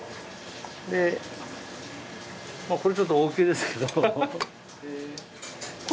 でこれちょっと大きいですけど。